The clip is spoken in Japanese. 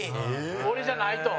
俺じゃないと。